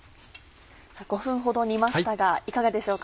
５分ほど煮ましたがいかがでしょうか？